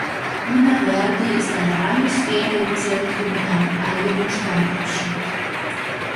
Duna Verde ist ein reines Ferienzentrum, mit einem eigenen Strandabschnitt.